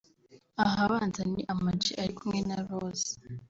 Ahabanza ni Ama G ari kumwe na Rose